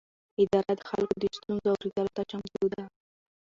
اداره د خلکو د ستونزو اورېدلو ته چمتو ده.